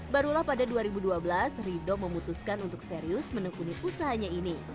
barulah pada dua ribu dua belas rido memutuskan untuk serius menekuni usahanya ini